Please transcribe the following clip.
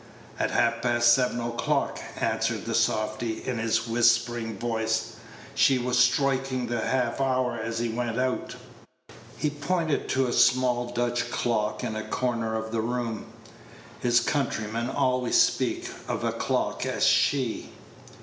"At half past seven o'clock," answered the softy, in his whispering voice; "she was stroikin' the half hour as he went out." He pointed to a small Dutch clock in a corner of the room. His countrymen always speak of a clock as "she."